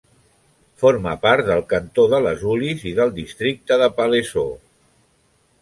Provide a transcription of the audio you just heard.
Forma part del cantó de Les Ulis i del districte de Palaiseau.